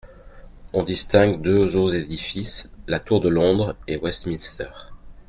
On distingue deux hauts édifices, la tour de Londres et Westminster.